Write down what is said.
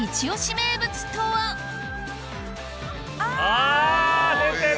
あぁ出てる！